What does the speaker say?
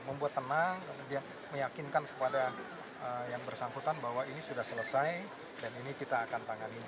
membuat tenang kemudian meyakinkan kepada yang bersangkutan bahwa ini sudah selesai dan ini kita akan tangani